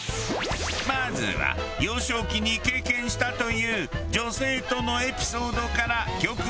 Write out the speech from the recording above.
まずは幼少期に経験したという女性とのエピソードから教訓を学びましょう。